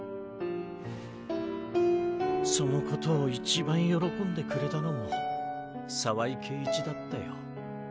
その事を一番喜んでくれたのも澤井圭一だったよ。